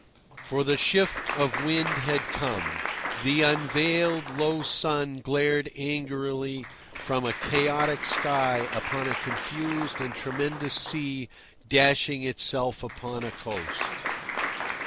For the shift of wind had come. The unveiled, low sun glared angrily from a chaotic sky upon a confused and tremendous sea dashing itself upon a coast.